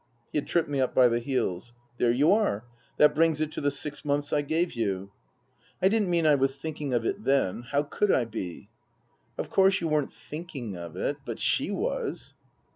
He had tripped me up by the heels. " There you arethat brings it to the six months I gave you." " I didn't mean I was thinking of it then. How could I be ?"" Of course you weren't thinking of it. But she was."